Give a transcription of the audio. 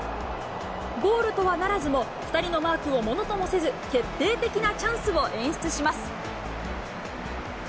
ゴールとはならずも２人のマークをものともせず、決定的なチャンスを演出します。